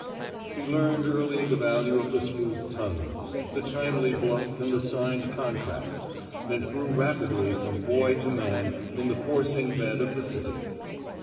He learned early the value of the smooth tongue, the timely bluff and the signed contract; and grew rapidly from boy to man in the forcing bed of the city.